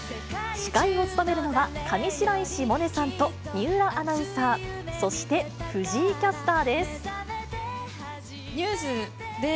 司会を務めるのは、上白石萌音さんと水卜アナウンサー、そして、藤井キャスターです。